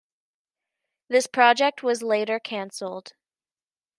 This project was later cancelled.